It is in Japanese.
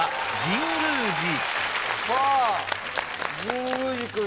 神宮寺君！